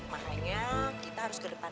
makanya kita harus ke depan